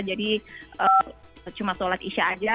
jadi cuma sholat isya aja